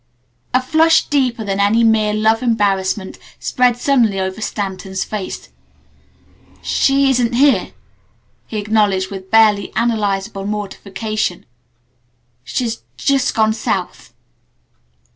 A flush deeper than any mere love embarrassment spread suddenly over Stanton's face. "She isn't here," he acknowledged with barely analyzable mortification. "She's just gone south."